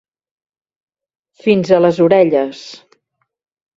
Fins a les orelles.